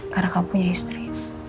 karena kau punya istri